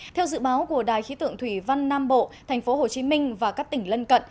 theo dự báo của đài khí tượng thủy văn nam bộ thành phố hồ chí minh và các tỉnh lân cận